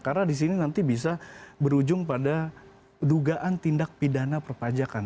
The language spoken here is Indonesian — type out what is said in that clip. karena disini nanti bisa berujung pada dugaan tindak pidana perpajakan